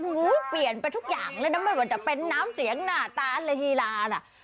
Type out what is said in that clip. ผู้้เปลี่ยนไปทุกอย่างแล้วไม่ว่าจะเป็นน้ำเสียงหน้าฟาชาติวะฮีราน่ะ